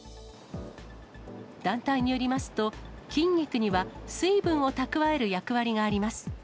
団体によりますと、筋肉には水分を蓄える役割があります。